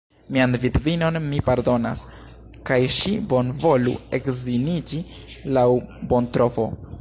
Mian vidvinon mi pardonas, kaj ŝi bonvolu edziniĝi laŭ bontrovo.